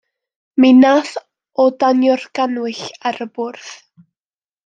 Mi nath o danio'r gannwyll ar y bwrdd.